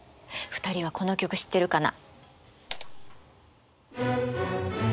２人はこの曲知ってるかな？